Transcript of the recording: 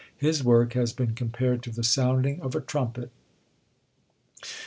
His work has been compared to the sounding of a trumpet.